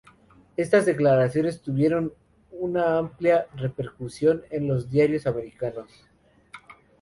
Estas declaraciones tuvieron una amplia repercusión en los diarios americanos.